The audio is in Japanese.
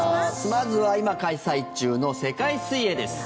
まずは今、開催中の世界水泳です。